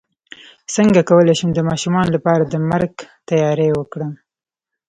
څنګه کولی شم د ماشومانو لپاره د مرګ تیاری وکړم